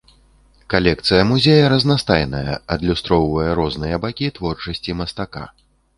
Калекцыя музея разнастайная, адлюстроўвае розныя бакі творчасці мастака.